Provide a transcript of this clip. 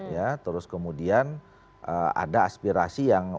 ya terus kemudian ada aspirasi yang